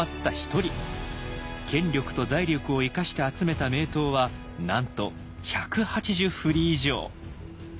権力と財力を生かして集めた名刀はなんと１８０振り以上。